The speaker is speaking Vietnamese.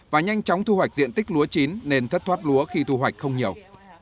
và nhanh chóng thu hoạch diện tích lúa chín nên thất thoát lúa khi thu hoạch không nhiều